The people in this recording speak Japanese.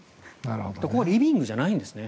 これはリビングじゃないんですね。